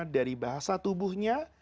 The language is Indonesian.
dari bahasa tubuhnya